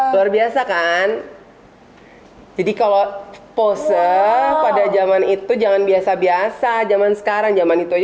luar biasa kan jadi kalau pose pada zaman itu jangan biasa biasa zaman sekarang zaman itu